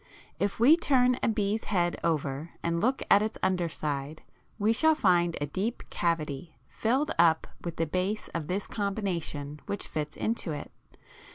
If we turn a bee's head over and look at its underside we shall find a deep cavity, filled up with the base of this combination which fits into it.